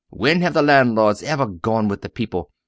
When have the landlords ever gone with the people?